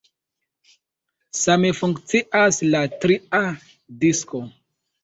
Same funkcias la tria disko.